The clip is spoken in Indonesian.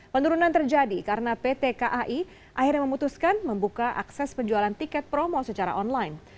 penurunan terjadi karena pt kai akhirnya memutuskan membuka akses penjualan tiket promo secara online